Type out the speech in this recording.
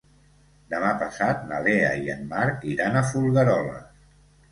Demà passat na Lea i en Marc iran a Folgueroles.